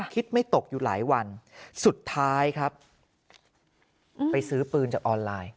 คิดไม่ตกอยู่หลายวันสุดท้ายครับไปซื้อปืนจากออนไลน์